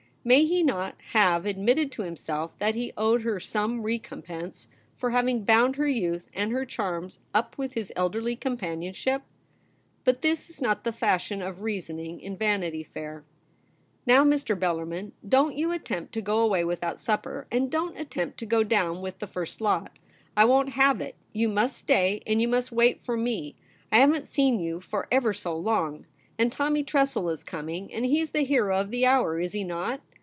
May he not have admitted to himself that he owed her some recompense for having bound her youth and her charms up with his elderly companionship ? But this IS not the fashion of reasoning in Vanity Fair. io8 THE REBEL ROSE. ' Now, Mr. Bellarmln, don't you attempt to go away without supper, and don't attempt to go down with the first lot. I won't have it ; you must stay, and you must wait for me. I haven't seen you for ever so long ; and Tommy Tressel is coming, and he's the hero of the hour, is he not